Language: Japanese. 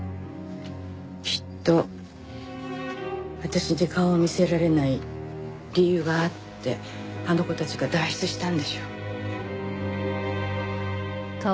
きっと私に顔を見せられない理由があってあの子たちが代筆したんでしょう。